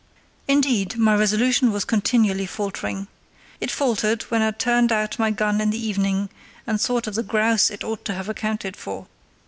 Indeed, my resolution was continually faltering. It faltered when I turned out my gun in the evening and thought of the grouse it ought to have accounted for.